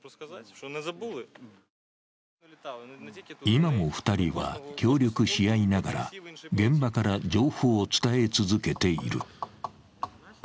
今も２人は協力し合いながら現場から情報を伝え続けている。